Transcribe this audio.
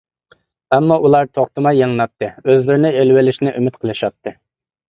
ئەمما ئۇلار توختىماي يېلىناتتى، ئۆزلىرىنى ئېلىۋېلىشنى ئۈمىد قىلىشاتتى.